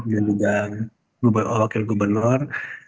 dan juga wakil gubernur